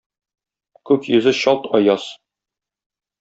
Күк йөзе чалт аяз.